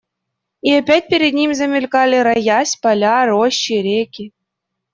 И опять перед ними замелькали, роясь, поля, рощи, речки.